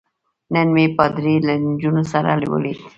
نن مې پادري له نجونو سره ولید.